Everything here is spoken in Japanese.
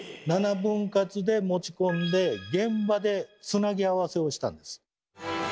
７分割で持ち込んで現場でつなぎ合わせをしたんです。